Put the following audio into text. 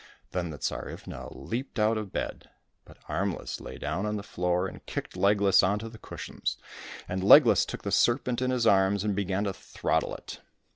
Then the Tsarivna leaped out of bed ; but Armless lay down on the floor and kicked Legless on to the cushions, and Legless took the serpent in his arms and began to throttle it.